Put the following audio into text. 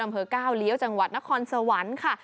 อำเภอก้าวเลี้ยวจังหวัดนครสวรรค์ค่ะ